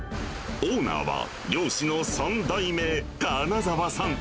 オーナーは、漁師の３代目、金澤さん。